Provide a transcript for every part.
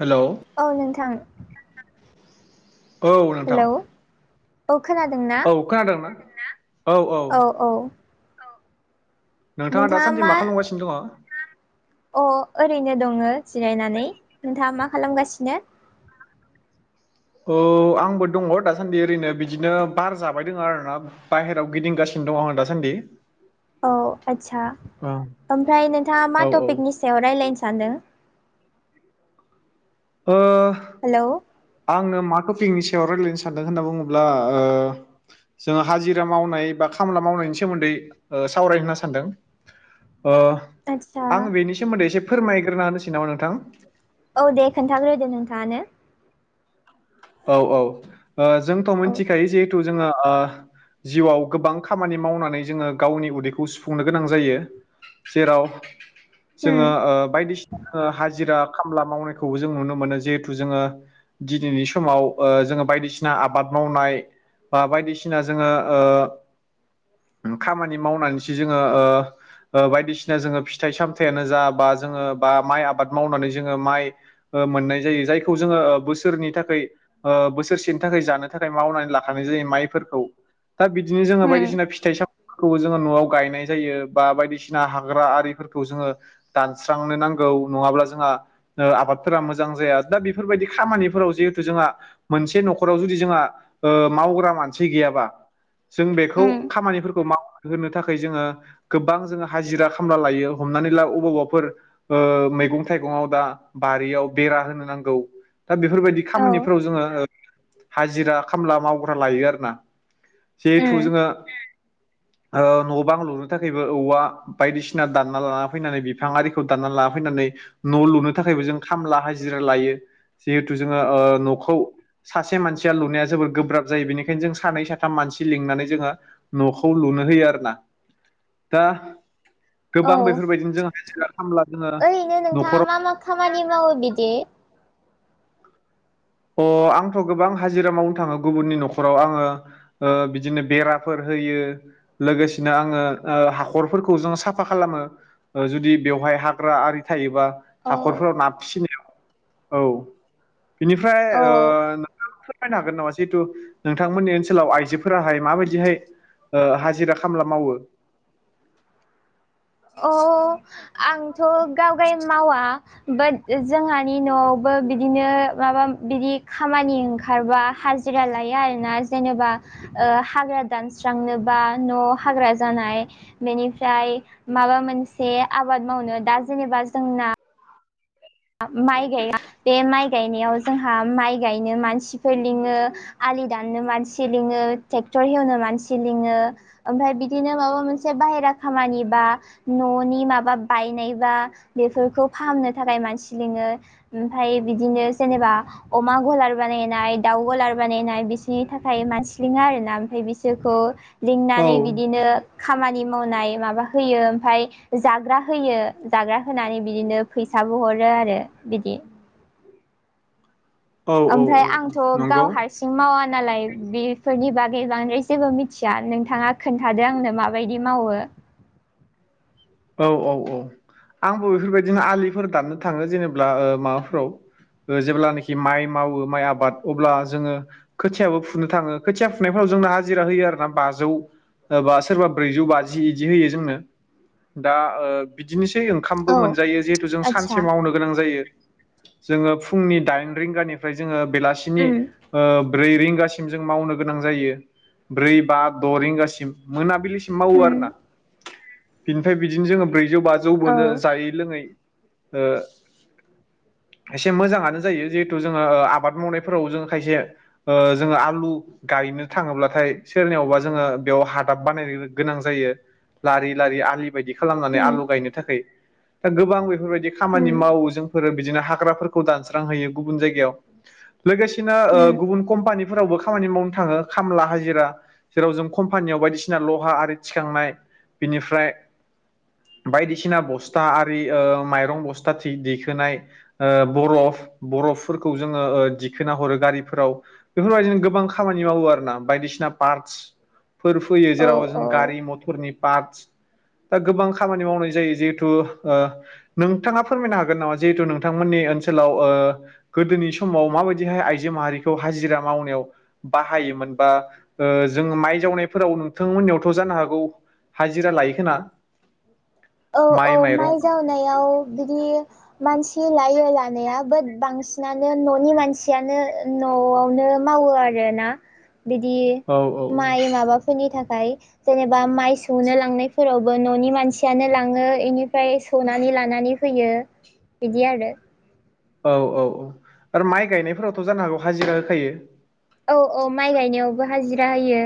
हेल' औ नोंथां औ नोंथां हेल औ खोनादों ना अखा हादोंना औ औ नोंथाङा दासान्दि मा खालामगासिनो दङ अ ओरैनो दङ जिरायनानै नोंथाङा मा खालामगासिनो औ आंबो दङ दासान्दि ओरैनो बिदिनो बार जाबाय दङ आरोना बाहेराव गिदिंगासिनो दङ आं दासान्दि औ आदसा ओ ओमफ्राय नोंथाङा मा औ औ टपिकनि सायाव रायलायनो सानदों ओ हेल' आङो मा टपिकनि सायाव रायजलायनो सानदों होनना बुङोब्ला ओ जोङो हाजिरा मावनाय बा खामला मावनायनि सोमोन्दै सावराय होनना सानदों ओ आदसा आं बेनि सोमोन्दै एसे फोरमायग्रोना होनोसै नामा नोंथां औ दे खोन्थाग्रोदो नोंथाङानो औ औ जोंथ' औ मिथिखायो जिहेथु जोङो जिउआव गोबां खामानि मावनानै जोङो गावनि उदैखौ सुफुंनो गोनां जायो जेराव उम जोङो बायदिसिना हाजिरा खामला मावनायखौबो जों नुनो मोनो जिहेथु जोङो दिनैनि सम समाव जोङो बायदिसिना आबाद मावनाय बा बायदिसिना जोङो खामानि मावनानैसो जोङो ओ बायदिसिना जोङो फिथाइ सामथायाइयानो जा बा जोङो बा माइ आबाद मावनानै जोङो माइ मोननाय जायो जायखौ जोङो बोसोरनि थाखाय ओबोसोरसेनि थाखाय जानो थाखाय मावनानै लाखानाय जायो माइफोरखौ दा बिदिनो जोङो उम बायदिसिना फिथाइ साम खौबो जोङो न'आव गायनाय जायो बा बायदिसिना हाग्रा आरिफोरखौ जोङो दानस्रांनो नांगौ नङाब्ला जोंहा ओ आबादफोरा मोजां जाया दा बेफोरबायदि खामानिफोराव जिहेतु जोंहा मोनसे न'खराव जुदि जोंहा मावग्रा मानसि गोयाबा जों बेखौ उम खामानिफोरखौ माव होनो थाखाय जोंङो गोबां जोंङो हाजिरा खामला लायो हमनानै ला अबावबाफोर ओ मैगं थाइगंआव दा बारियाव बेरा होनो नांगौ। दा बेफोरबायदि औ खामानिफोराव जोंङो हाजिरा खामला मावग्रा लायो आरो ना। जिहेथु उम जोंङो न' बां लुनो थाखायबो औवा। बायदिसिना दानना लाना फैनानै बिफा आरिखौ दानना लाना फैनानै न' लुनो थाखायबो जों खामला हाजिरा लायो जिहेथु जोंङो ओ न'खौ सासे मानसिया लुनाया जोबोर गोब्राब जायो। बेनिखायनो जों सानै साथाम मानसि लिंनानै जोंङो न'खौ लुनो होयो आरो ना दा। औ गोबां बेफोरबायदिनो जों हाजिरा खामला जोंङो ओरैनो नोंथाङा न'खराव मा मा खामानि मावो बिदि आंथ' गोबां हाजिरा मावनो थांङो गुबुननि न'खराव आंङो। ओ बिदिनो बेराफोर होयो। लोगोसेनो जोंङो ओ हाखरफोरखौ जों साफा खालामो। जुदि बेवहाय हाग्रा आरि थायोबा औ हाखरफोराव ना फिसिनायाव औव फ्राय औ ओ फोरमायनो हागोन नामा जिहेतु नोंथांमोननि ओनसोलाव आइजोफोराहाय माबायदिहाय? हाजिरा खामला मावो अ आंथ' गावगाय मावा बात जोंहानि न'आवबो बिदिनो माबा बिदि खामानि ओंखारबा हाजिरा रा लायो आरो ना जेनेबा ओ हाग्रा दानस्रांनोबा न' हाग्रा जानाय बेनिफ्राय माबा मोनसे आबाद मावनो दा जेनेबा जोंना। माइ गाया बे माइ गायनायाव जोंहा माइ गायनो मानसिफोर लिङो। आलि दाननो मानसि लिंङो ट्रेक्टर हालेवनो मानसि लिंङो ओमफ्राय बिदिनो माबा मोनसे बाहेरा खामानि बा न'नि माबा बायनायबा बेफोरखौ फाहामनो थाखाय मानसि लिंङो ओमफ्राय बिदिनो जेनेबा अमा गन्द्रा बानायनाय दाउ गन्द्रा बानायनाय बिसोरनि थाखाय मानसिलिङो आरो ना ओमफ्राय बिसोरखौ औ लिंनानै बिदिनो खामानि मावनाय माबा होयो ओमफ्राय जाग्रा होयो जाग्रा होनानै बिदिनो फैसाबो हरो आरो बिदि औ औ ओमफ्राय औ आंथ' गाव नंगौ हारसिं मावा नालाय बेफोरनि बागै बांद्राय जेबो मिथिया नोंथांङा खान्था? थादो आंनो माबायदि मावो औ औ औ आंबो बेफोरबायदिनो आलिफोर दाननो थांङो जेनेबा माबाफोराव जेब्लानाखि माइ मावो माइ आबाद अब्ला जोंङो खोथियाबो फुनो थांङो खोथिया फुनायफोराव जोंना हाजिरा होयो आरोना बाजौव बा सोरबा ब्रैजौ बाजि बिदि होयो जोंनो। दा ओ बिदिनोसै ओंखामबो औ मोनजायो जिहेथु जों आदसा सानसे मावनो नांगौ जायो जो फुंनि दाइन रिंगा जो बेलासिनि उम ओ-' ब्रै रिंगासिम जों मावनो गोनां जायो ब्रै बा द' रिंगासिम मोनाबिलि मावो उम आरो ना। बिनिफ्राय बिदिनो जोंङो ब्रैजौ बाजौ बो औ जायै लोंङै एसे मोजाङानो जायो जिहेथु जोंङो आबाद मावनायफोराव जों खायसे ओ जोंङो आलु गायनो थांङोब्लाथाय सोरनियावबा जोंङो बेयाव हादाब बानायनो गोनां जायो। लारि लारि आलि बायदि खालामनानै उम आलु गायनो थाखाय दा गोबां बेफोरबायदि खामानि उम मावो जों। बिदिनो हाग्राफोरखौ दानस्रांहयो गुबुन जायगायाव लोगोसेनो उम गुबुन कम्पानिफोरावबो खामानि मावनो थांङो खामला हाजिरा। जेराव जों कम्पानियाव बायदिसिना लहा आरि थिखांनाय बिनिफ्राय बायदिसिना बस्था आरि माइरं बस्थाथि दैखोनाय ओ बरफ ओ बरफफोरखौ जोङो दिखोना हरो गारिफोराव बेफोरबायाददिनो गोबां खामानि मावो आरो ना बायदिसिना पार्टस फोर फैयो औ जेराव जों औ गारि मथरनि पार्टस दा गोबां खामानि मावनाय जायो जिहेथु नोंथाङा फोरमायनो हागोन नामा जिहेथु नोंथांमोननि ओनसोलाव गोदोनि समाव माबायदिहाय आइजो माहारिखौ हाजिरा मावनायाव बाहायोमोन बा जों माइ जावनायफोराव नोंथांमोननियावथ' जानो हागौ हाजिरा लायो खोना औ औ माइ जावनायाव बिदि मानसि लायो लानाया बिट बांसिनानो न'नि मानसियानो न'आवनो मावो आरोना बिदि औ माइ माबा फोरनि थाखाय जेनेबा माइ सौनो लांनायफोरावबो न'नि मानसि खिथियानो लाङो बेनिफ्राय सौनानै लानानै फैयो बिदि आरो औ औ औ आरो माइ गायनायफोरावथ' जानो हागौ हाजिरा होखायो औ औ माइ गायनायावबो हाजिरा होयो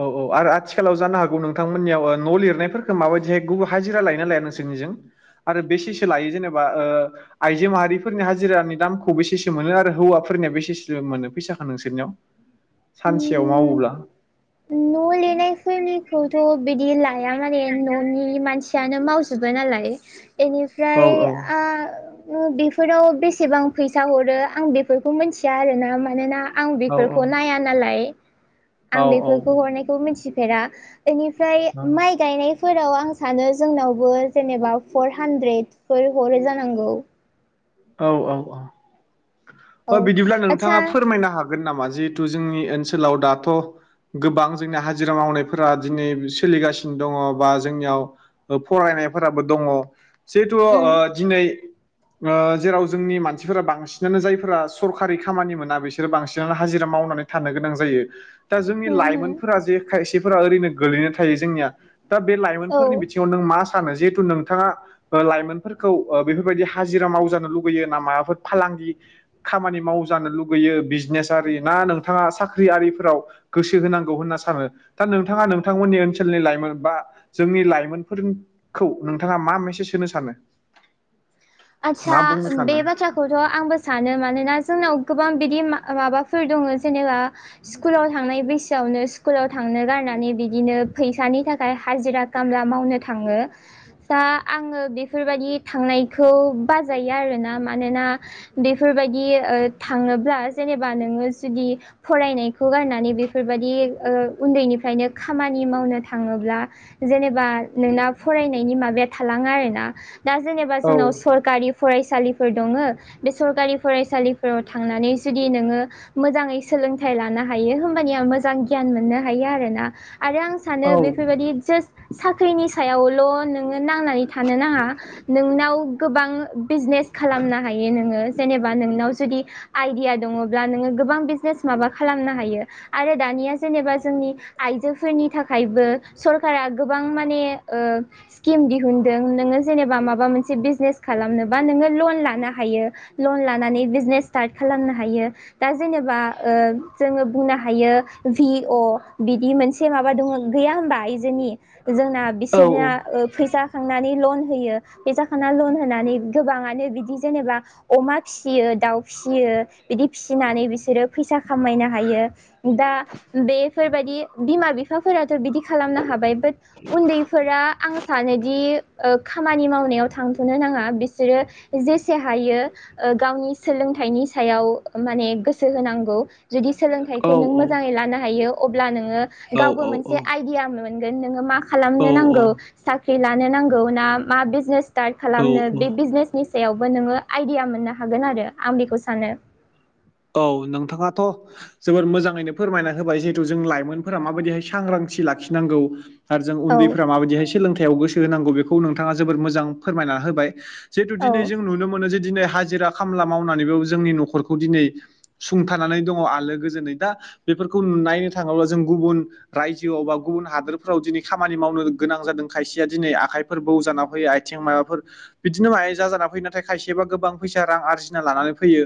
औ औ आरो आथिखालाव जानो हागौ नोंथांमोननियाव न' लिरनायफोरखौ माबायदिहाय गुबुन हाजिरा लायो ना लाया नोंसोरनिजों आरो बेसेसो लायो जेनेबा ओ आइजो माहारिफोरनि हाजिरानि दामखौ बेसेसो मोनो आरो हौवाफोरनिया बेसेसो मोनो फैसाखौ नोंसोरनियाव सानसेयाव उम मावोब्ला [inaudible] खौथ' बिदि लाया माने न'नि मानसियानो मावजोबो नालायनि औ ओमफ्राय बेफोराव बेसेबां फैसा हरो आं बेफोरखौ मिथिया आरोना मानोना आं औ बेफोरखौ नाया नालाय औ आं बेफोरखौ हरनायखौ मिथिफेरा बेनिफ्राय माइ गायनाय फोराव आं सानो जोंनावबो जेनेबा फर हान्ड्रेडफोर हरै जानांगौ औ औ औ अ औ बिदिब्ला नोंथाङा आदसा फोरमायनो हागोन हागोन नामा जिहेतु जोंनि ओनसोलाव दाथ' गोबां जोंनि हाजिरा मावनायफोरा दिनै सोलिगासिनो दङ बा जोंनियाव फरायनायफोराबो दङ जिहेथु उम ओ दिनै ओ जेराव जोंनि मानसिफोरा बांसिनानो जायफोरा सरकारि खामानि मोना बिसोरो बांसिनानो हाजिरा मावनानै थानो गोनां जायो दा जोंनि होम होम लाइमोनफोरा जे खायसेफोरा ओरैनो गोगलैनो थायो जोंनिया दा बे औ लाइमोनफोरनि बिथिङाव नों मा हेथु नोंथाङा लाइमोनफोरखौ बेफोरबायदि हाजिरा माव लुुबैयो ना माबाफोर फालांगि खामानि मावजानो लुगैयो बिजनेस आरि ना नोंथाङा साख्रियिफोराव गोसो होनांगौ होनना सानो दा नोंथाङा नोंथांमोननि ओनसोलनि लाइमोन बा जोंनि लाइमोनफोरखौ नोंथाङा मा मेसेज होनो सानो आतसा मा बुंनो बे सानो बाथ्रा खौथ' आंबो सानो मानोना जोंनाव गोबां बिदि माबाफोर दङ जेनेबा स्कुलाव थांनाय बैसोआवनो स्कुलाव थांनो गारनानै बिदिनो फैसानि थाखाय हाजिरा खामला मावनो थाङो दा आङो बेफोरबायदि थांनाय खौ बाजायो आरोना मानोना बेफोरबायदि थाङोब्ला जेनेबा नोङो जुदि फरायनायखौ गारनानै बेफोरबायदि उन्दैनिफ्रायनो खामानि मावनो थाङोब्ला जेनेबा नोंना फरायनायनि माबाया थालाङो आरो ना दा जेनेबा औ जोंनाव स गारि फरायसालिफोर दङ बे सरकारि फरायसालिफोराव थांनानै जुदि नोङो मोजाङै सोलों फिथाइ लानो हायो होमबानि आं मोजां गियान मोननो हायो आरोना आरो आं सानो औ बेफोरबायदि जास्ट साख्रिनि सायावल' नोङो नांनानै थानो नाङा नोंनाव गोबां बिजनेस खालामनो हायो नोङो जेनेबा नोंनाव जुदि आइडिया दङब्ला नोङो गोबां बिजनेस माबा खालामनो हायो। आरो दानिया जेनेबा जोंनि आइजोफोरनि थाखायबो सरकारा गोबां माने स्किम दिहुनदों नोङो जेनेबा माबा मोनसे बिजनेस खालामनोबा नोङो लन लानो हायो लन लानानै बिजनेस स्टार्ट खालामनो हायो। दा जेनेबा ओ जोङो बुंनो हायो भि अ बिदि मोनसे एसे माबा दङ गैया होनबा आइजोनि जोंना औ बिसोरना ओ फैसााखांनानै लन होयो फैसााखांना लन होनानै गोबाङानो बिदि जेनेबा अमा फियो दाउ फिसियो बिदि फिसिनानै बिसोरो फैसा खामायनो हायो। दा बेफोरबायदि बिमा बिफाफोराथ' बिदि खालामनो हाबाय। बाट उन्दैफोरा आं सानोदि खामानि मावनायाव थां थ'नो नाङा बिसोरो जेसे हायो गावनि सोलोंथाइनि सायाव माने गोसो होनांगौ। जुदि औ सोलोंथाइखौ नों मोजाङै लानो हायो अब्ला नोङो औ गावबो मोनसे आइडिया सोंगोनो मा औ खालामनो औ नांगौ साख्रि लानो नांगौ ना मा बिजिनेस औ खालामनो औ बे बिजनेसनि सायावबो नोङो आइडिया मोननो हागोन आरो आं बेखौ सानो। औ नोंथाङाथ' जोबोर मोजाङैनो फोरमायना होबाय जिहेतु जों लाइमोनफोरा माबायदिहाय सांग्रांथि लाखिनांगौ। आरो जों औ उन्दैफ्रा माबायदिहाय सोलोंथायाइयाव गोसो होनांगौ बेखौ नोंथाङा जोबोर मोजां फोरमायना होबाय। जिहेतु दिनै औ जों नुनो मोनो जे दिनै हाजिरा खामला मावनानैबो जोंनि न'खरखौ दिनै सुंथानानै दङ आलो गोजोनै दा बेफोरखौ नुनो नायनो थाङोब्ला जों गुबुन रायजोआव बा गुबुन हादोरफोराव दिनै खामानि मावनो गोनां जादों खायसेया दिनै आखाइ फोरबौ जाना फैयो आथिं माबाफोर बिदिनो माहाय जाजाना फैयो नाथाय खायसेबा गोबां फैसा रां आरजिना लानानै फैयो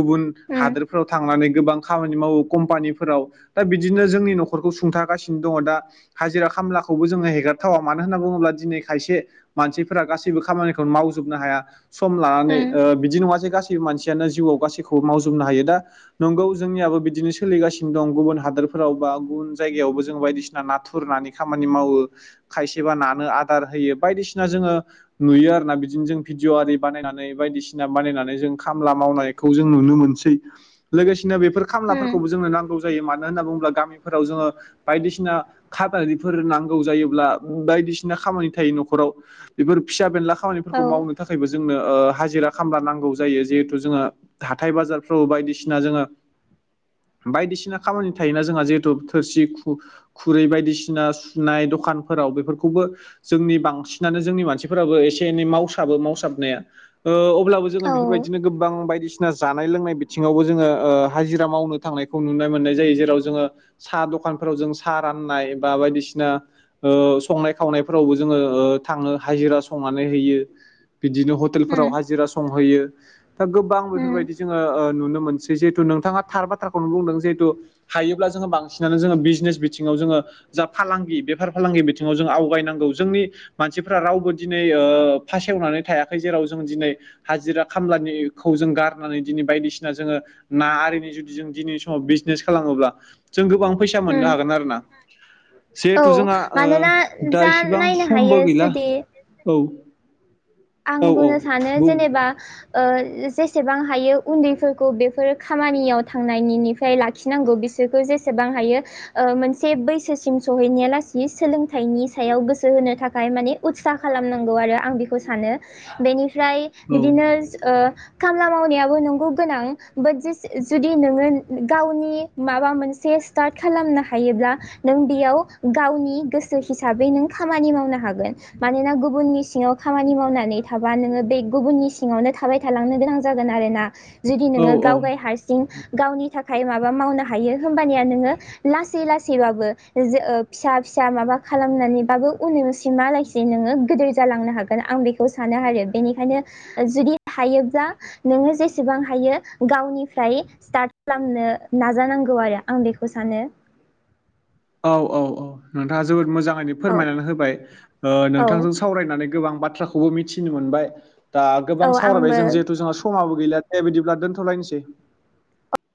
गुबुन उम हादोरफोराव थांनानै गोबां खामानि मावो कम्पानिफोराव दा बिदिनो जोंनि न'खरखौ सुंथागासिनो दङ दा हाजिरा खामलाखौबो जोंङो हेगारथावा मानो होनना बुङोब्ला दिनै खायसे मानसिफोरा गासैबो खामानिखौ मावजोबनो हाया सम लानानै उम बिदि नङा जे गासैबो मानसियानो जिउआव गासैखौबो मावजोबनो हायो दा नंगौ जोंनियाबो बिदिनो सोलिगासिनो दं गुबुन हादोरफोराव बा गुबुन जायगायावबो जों बायदिसिना नाथुर नानि खामानि मावो खायसेबा नानो आदार होयो बायदिसिना जोङो नुयो आरोना बिदिनो जों भिडिअ' आरि बानायनानै बायदिसिना बानायनानै जों खामला मावनायखौ जों नुनो मोनसै। लोगोसेनो बेफोर उम खामलाफोरखौबो जोंनो नांगौ जायो मानो होनना बुङोब्ला गामिफोराव जोङो बायदिसिना खादानिफोर नांगौ जायोब्ला बायदिसिना खामानि थायो न'खराव बेफोर फिसा बेनला औ खामानिफोरखौ मावनो थाखायबो जोंनो हाजिरा खामला नांगौ जायो जिहेथु जोंङो हाथाय बाजार बायदिसिना जोङो बायदिसिना खामानि थायोना जोंहा जिहेथु थोरसि खु रै बायदिसिना सुनाय दखानफोराव बेफोरखौबो जोंनि बांसिनानो जोंनि मानसिफोराबो एसे एनै मावसाबो मावसाबनाया। ओ अब्लाबो जोङो औ बेफोरबायदिनो गोबां बायदिसिना जानाय लोंनाय बिथिङावबो जोङो ओ हाजिरा मावनो थांनायखौ नुनाय मोननाय जायो जेराव जोङो सा दखानफोराव जों सा राननाय बा बायदिसिना ओ संनाय खावनायफोरावबो जोङो ओ थाङो हाजिरा संनानै हैयो। बिदिनो हटेलफोराव उम हाजिरा संहैयो दा गोबां उम बेफोरबायदि जोङो नुनो मोनसै जिहेतु नोंथाङा थार बाथ्राखौनो बुंदों जिहेतु हायोब्ला जोङो बांसिनानो जोङो बिजनेस बिथिङाव जोङो जा फालांगि बेफार फालांगि बिथिङाव जों आवगायनांगौ जोंनि मानसिफोरा रावबो दिनै ओ फासेवनानै थायाखै जेराव जों दिनै हाजिरा खामलानिखौ जों गारनानै दिनै बायदिसि सिना जोङो ना आरिनि जुदि जों दिनैनि समाव बिजनेस खालामोबा जों गोबां फैसा मोननो उम हागोन आरो ना। औ जिहेथु जोंहा ओ मानोना दा जा इसिबां नायनो हायो समबो गैला जुदि औ। आं औ औ बुंनो सानो बुं जेनेबा ओ जे-जेसेबां हायो उन्दैफोरखौ बेफोर खामानियाव थांनायनिनि फाय लाखिनांगौ बिसोरखौ जेसेबां हायो। ओ मोनसे बैसोसिम सहैनाया लासि सोलोंथाइनि सायाव गोसो होनो थाखाय माने उत्सा खालामनांगौ आरो आं बेखौ सानो। बेनिफ्राय बिदिनो ओ खामला मावनायाबो नंगौ गोनां बाट जेसे जुदि नोङो गावनि माबा मोनसे स्टार्ट खालामनो हायोब्ला नों बेयाव गावनि गोसो हिसाबै नों खामानि मावनो हागोन। मानोना गुबुननि सिङाव खामानि मावनानै थाबा नोङो बे गुबुननि सिङावनो थाबाय थालांनो गोनां जागोन आरोना। जुदि औ नोङो औ गावगाय हारसिं गावनि थाखाय माबा मावनो हायो होमबानिया नोङो लासै लासैबाबो ज ओ फिसा फिसा माबा खालामनानैबाबो उननिसिमा लासि जि नोङो गोदोर जालांनो हागोन आं बेखौ सानो आरो। बेनिखायनो जुदि हायोब्ला नोङो जेसेबां हायो गावनिफ्राय स्टार्ट फ्लामनो नाजानांगौ आरो आं बेखौ सानो। औ औ औ नोंथाङा जोबोद मोजाङैनो औ फोरमायनानै होबाय। ओ औ नोंथांजों सावरायनानै गोबां बाथ्राखौबो मिथिनो मोनबाय। दा गोबां औ सावरायबाय आंबो जों जिहेथु जोंहा स समाबो गैला दे बिदिब्ला दोनथ'लायनोसै।